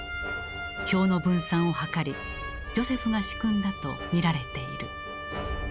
票の分散を図りジョセフが仕組んだとみられている。